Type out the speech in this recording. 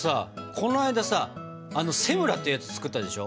この間さセムラってやつ作ったでしょ。